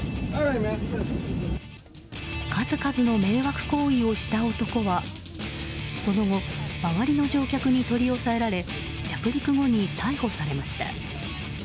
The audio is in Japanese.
数々の迷惑行為をした男はその後、周りの乗客に取り押さえられ着陸後に逮捕されました。